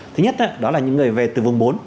thứ nhất đó là những người về từ vùng bốn